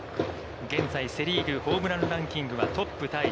現在、セ・リーグホームランランキングは、トップタイ。